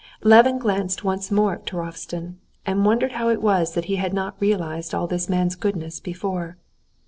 Levin glanced once more at Turovtsin, and wondered how it was he had not realized all this man's goodness before.